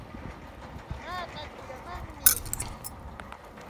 Mamaaqa kuyamanmi.